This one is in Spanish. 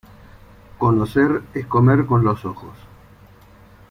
Conocer es comer con los ojos.